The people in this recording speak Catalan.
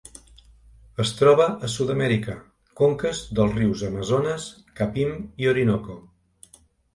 Es troba a Sud-amèrica: conques dels rius Amazones, Capim i Orinoco.